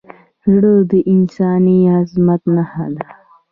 زړه د انساني عظمت نښه ده.